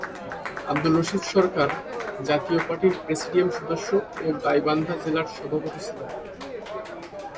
আব্দুর রশীদ সরকার জাতীয় পার্টির প্রেসিডিয়াম সদস্য ও গাইবান্ধা জেলা সভাপতি ছিলেন।